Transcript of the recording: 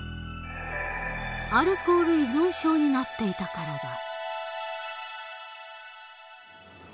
アルコール依存症になっていたからだ。